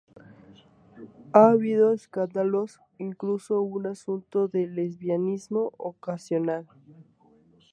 Ha habido escándalos- incluso un asunto de lesbianismo ocasional.